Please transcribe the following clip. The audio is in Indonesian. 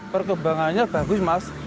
perkembangannya bagus mas